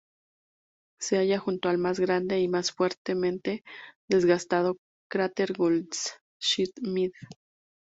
Se halla junto al más grande y más fuertemente desgastado cráter Goldschmidt.